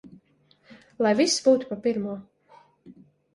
Lai viss būtu pa pirmo!